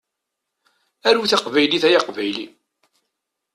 Aru taqbaylit ay aqbayli!